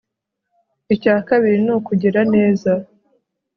icya kabiri ni ukugira neza